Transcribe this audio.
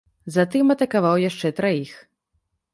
Затым атакаваў яшчэ траіх.